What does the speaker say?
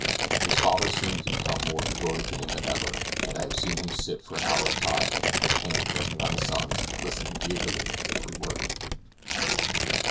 His father seems to become more devoted to him than ever, and I have seen him sit for an hour at a time, with his hand resting on his son's, listening eagerly to his every word.